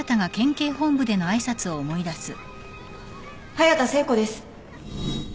隼田聖子です